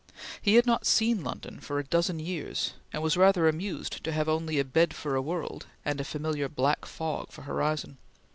He had not seen London for a dozen years, and was rather amused to have only a bed for a world and a familiar black fog for horizon.